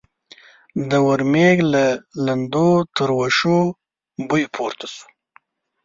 د ورمېږ له لندو تروشو بوی پورته شو.